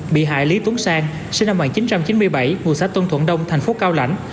bị hại lý tún sang sinh năm một nghìn chín trăm chín mươi bảy ngụ xã tôn thuận đông thành phố cao lãnh